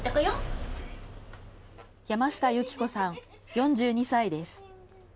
山下由紀子さん、４２歳です。